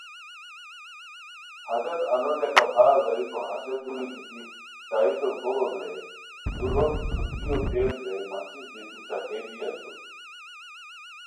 ہتیت آنو ٹیکہ پھار غیریکو ہسے دوری گیتی تائیتو گوڑو درے دورو ݯھوتیو تیل درے ماچس دیتی ݯاکیئے بی اسور